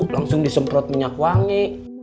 langsung disemprot minyak wangi